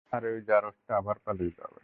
আর ওই জারজটা আবার পালিয়ে যাবে।